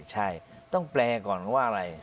ใช่ต้องแปลก่อนว่าอะไร